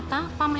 oke ya udah